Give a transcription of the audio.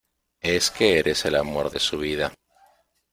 es que eres el amor de su vida.